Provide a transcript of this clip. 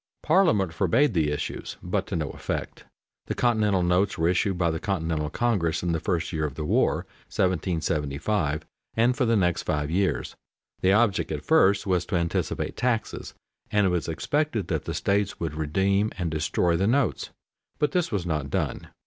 Parliament forbade the issues, but to no effect. The continental notes were issued by the Continental Congress in the first year of the war (1775), and for the next five years. The object at first was to anticipate taxes, and it was expected that the states would redeem and destroy the notes, but this was not done.